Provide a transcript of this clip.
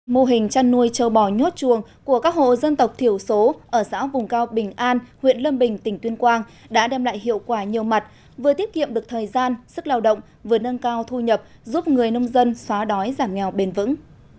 mô hình chăn nuôi châu bò nhốt chuồng của các hộ dân tộc thiểu số ở xã vùng cao bình an huyện lâm bình tỉnh tuyên quang đã đem lại hiệu quả nhiều mặt vừa tiết kiệm được thời gian sức lao động vừa nâng cao thu nhập giúp người nông dân xóa đói giảm nghèo bền vững